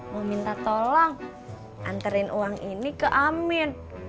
mau minta tolong anterin uang ini ke amin